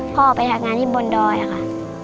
พ่อไปทำงานที่บนดอยค่ะ